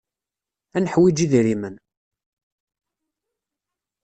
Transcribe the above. Ad neḥwiǧ idrimen.